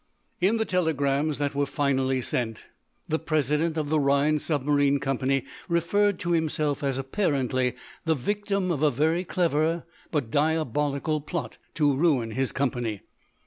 In the telegrams that were finally sent, the president of the Rhinds Submarine Company referred to himself as apparently the victim of a very clever but diabolical plot to ruin his company.